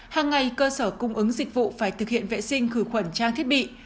hàng ngày cơ sở cung ứng dịch vụ phải thực hiện vệ sinh khử khuẩn trang thiết bị